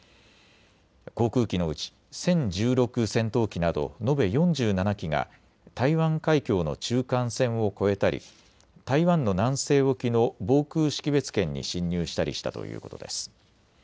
航空機のうち殲１６戦闘機など延べ４７機が台湾海峡の中間線を越えたり台湾の南西沖の防空識別圏に進入したりしたということです。